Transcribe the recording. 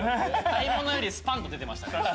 買い物よりスパンッと出てましたね。